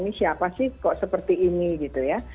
ini siapa sih kok seperti ini gitu ya